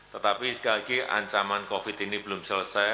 tetapi sekali lagi ancaman covid ini belum selesai